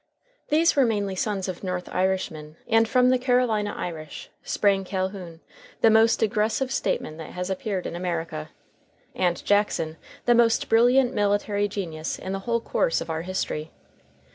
These were mainly sons of North Irishmen, and from the Carolina Irish sprang Calhoun, the most aggressive statesman that has appeared in America, and Jackson, the most brilliant military genius in the whole course of our history.